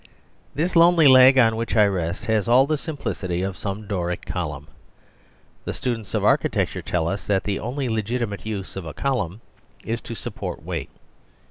This lonely leg on which I rest has all the simplicity of some Doric column. The students of architecture tell us that the only legitimate use of a column is to support weight.